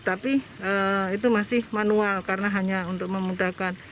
tapi itu masih manual karena hanya untuk memudahkan